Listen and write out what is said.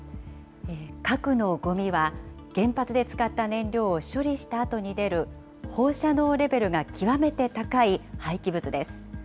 核のごみは、原発で使った燃料を処理したあとに出る、放射能レベルが極めて高い廃棄物です。